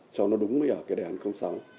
cho nó đúng ở cái đề án sáu